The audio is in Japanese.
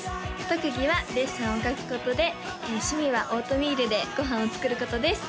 特技はデッサンを描くことで趣味はオートミールでご飯を作ることです